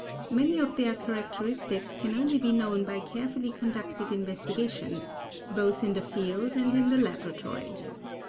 Many of their characteristics can only be known by carefully conducted investigations, both in the field and in the laboratory.